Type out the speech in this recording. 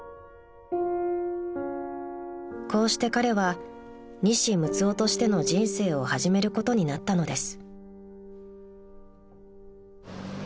［こうして彼は西六男としての人生を始めることになったのです］